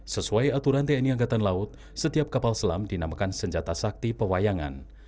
sesuai aturan tni angkatan laut setiap kapal selam dinamakan senjata sakti pewayangan